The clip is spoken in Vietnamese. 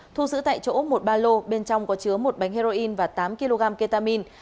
thu giữ tại chỗ một ba lô bên trong có chứa một bánh heroin và tám kg ketamine